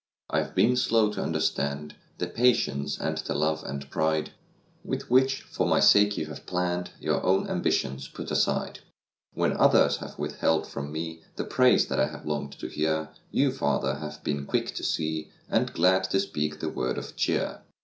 I have been slow to understand The patience and the love and pride "With which for my sake you have hour own ambitions put aside. from me The praise that I have longed to hear, Y>u, Father, have been quick to see Ar^d glad to speak the word of cheer.